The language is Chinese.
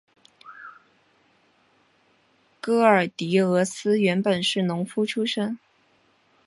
戈耳狄俄斯原本是农夫出身。